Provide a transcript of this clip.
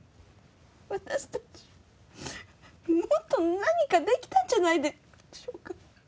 私たちもっと何かできたんじゃないでしょうか。